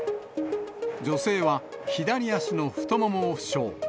女性は左足の太ももを負傷。